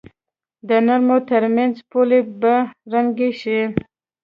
د نومونو تر منځ پولې به ړنګې شي.